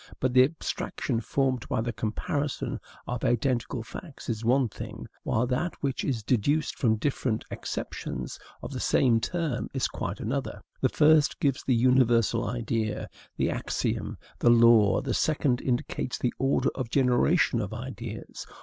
But the abstraction formed by the comparison of identical facts is one thing, while that which is deduced from different acceptations of the same term is quite another. The first gives the universal idea, the axiom, the law; the second indicates the order of generation of ideas.